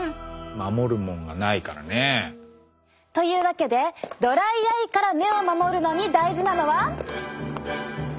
守るもんがないからね。というわけでドライアイから目を守るのに大事なのは。